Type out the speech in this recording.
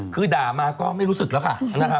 คือด่ามาก็ไม่รู้สึกแล้วค่ะ